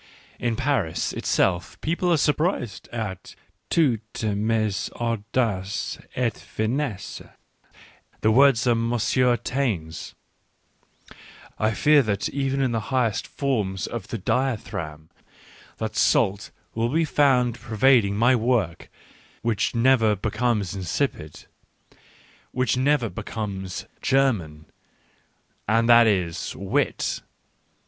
In Paris itself people are surprised at " toutes mes audaces et finesses ";— the words are Monsieur Taine's; — I fear that even in the highest forms of the dithyramb, that salt will be found pervading my work which never becomes insipid, which never be comes u German "— and that is, wit.